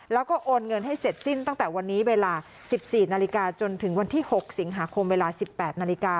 แล้วก็โอนเงินให้เสร็จสิ้นตั้งแต่วันนี้เวลา๑๔นาฬิกาจนถึงวันที่๖สิงหาคมเวลา๑๘นาฬิกา